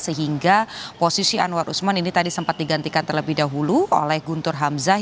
sehingga posisi anwar usman ini tadi sempat digantikan terlebih dahulu oleh guntur hamzah